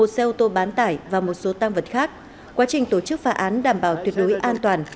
một xe ô tô bán tải và một số tam vật khác quá trình tổ chức phá án đảm bảo tuyệt đối an toàn